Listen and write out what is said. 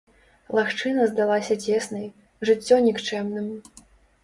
Лагчына здалася цеснай, жыццё нікчэмным.